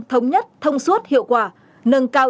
thống nhất thông suốt hiệu quả nâng cao